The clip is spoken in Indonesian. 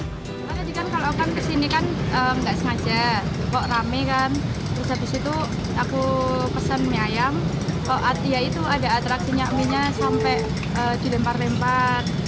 kalau kesini kan nggak sengaja kok rame kan terus habis itu aku pesen mie ayam kok ya itu ada atraksi nya mie nya sampai di lempar lempar